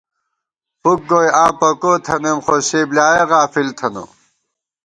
فُک گوئی آں پکو تھنَئیم خوسے بۡلیایَہ غافل تھنہ